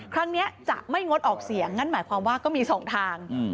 ครั้งนี้จะไม่งดออกเสียงนั่นหมายความว่าก็มี๒ทาง